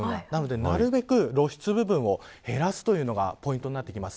なので、なるべく露出部分を減らすのがポイントになってきます。